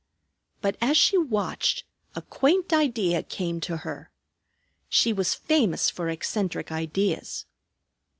But as she watched, a quaint idea came to her. She was famous for eccentric ideas.